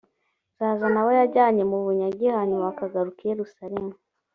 nzazana abo yajyanye mu bunyage hanyuma bakagaruka i yerusalemu